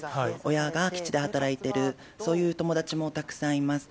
親が基地で働いてる、そういう友達もたくさんいます。